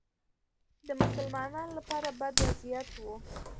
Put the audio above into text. د مسلمانانو لپاره بد وضعیت و